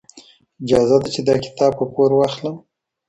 اجازه ده چي دا کتاب په پور واخلم؟